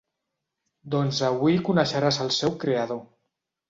Doncs avui coneixeràs el seu creador.